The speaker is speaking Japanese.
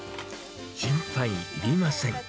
心配いりません。